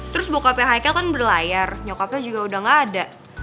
terus bokapnya haikel kan berlayar nyokapnya juga udah ga ada